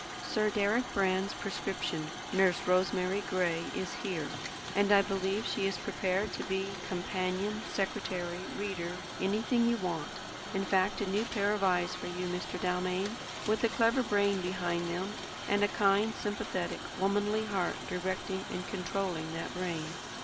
Sir Deryck Brand's prescription, Nurse Rosemary Gray, is here; and I believe she is prepared to be companion, secretary, reader, anything you want, in fact a new pair of eyes for you, Mr. Dalmain, with a clever brain behind them, and a kind, sympathetic, womanly heart directing and controlling that brain.